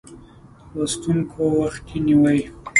لوستونکو وخت یې نیوی.